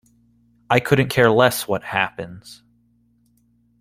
I couldn't care less what happens.